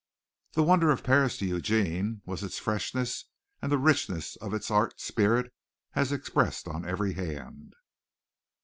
The wonder of Paris to Eugene was its freshness and the richness of its art spirit as expressed on every hand.